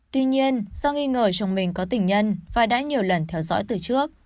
tuy nhiên do nghi ngờ chồng mình có tình nhân và đã nhiều lần theo dõi từ trước